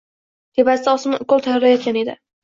Tepasida osma ukol tayyorlayotgan edi.